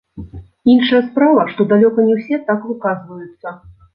Іншая справа, што далёка не ўсе так выказваюцца.